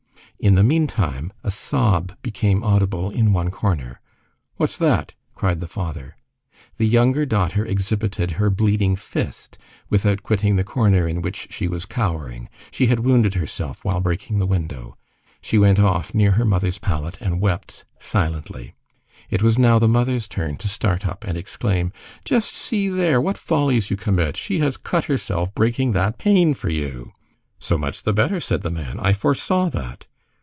In the meantime, a sob became audible in one corner. "What's that?" cried the father. The younger daughter exhibited her bleeding fist, without quitting the corner in which she was cowering. She had wounded herself while breaking the window; she went off, near her mother's pallet and wept silently. It was now the mother's turn to start up and exclaim:— "Just see there! What follies you commit! She has cut herself breaking that pane for you!" "So much the better!" said the man. "I foresaw that."